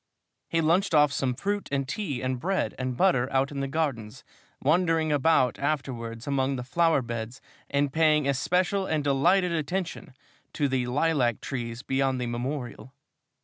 He lunched off some fruit and tea and bread and butter out in the gardens, wandering about afterwards among the flower beds and paying especial and delighted attention to the lilac trees beyond the Memorial.